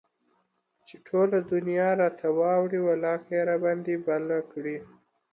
چې ټوله دنيا راته واوړي ولاکه يي راباندى بله کړي